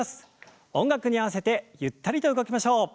音楽に合わせてゆったりと動きましょう。